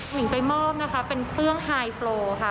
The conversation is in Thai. หมิงไปมอบเป็นเครื่องไฮฟลโลค่ะ